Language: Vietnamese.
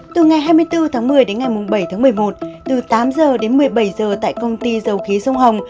từ ngày hai mươi bốn một mươi đến ngày bảy một mươi một từ tám h đến một mươi bảy h tại công ty dầu khí sông hồng